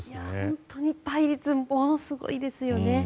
本当に倍率ものすごいですよね。